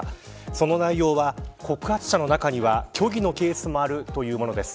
その内容は告発者の中には虚偽のケースもあるというものです。